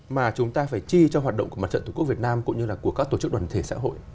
mà chúng ta phải chi cho hoạt động của mặt trận tổ quốc việt nam cũng như là của các tổ chức đoàn thể xã hội